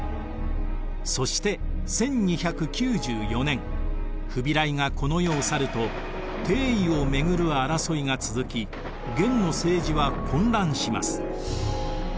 そして１２９４年フビライがこの世を去ると帝位をめぐる争いが続き元の政治は混乱します。